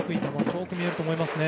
遠く見えると思いますね。